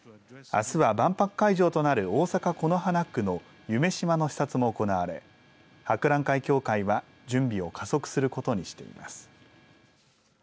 あすは万博会場となる大阪、此花区の夢洲の施設視察も行われ博覧会協会は準備を加速することにしています。